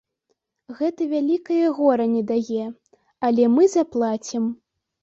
Гэта вялікае гора не дае, але мы заплацім.